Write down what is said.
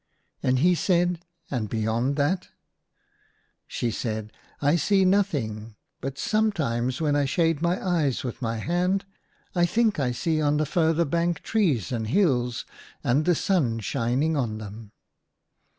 And he said, " And beyond that ?" She said, '* I see nothing, but some times, when I shade my eyes with my hand, I think I see on the further bank trees and hills, and the sun shining on them